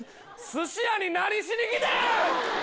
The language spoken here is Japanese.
寿司屋に何しに来てん！